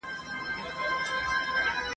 کرۍ ورځ یې په ځغستا او په مزلونو !.